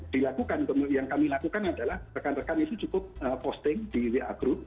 dan yang kami lakukan adalah rekan rekan itu cukup posting di wa group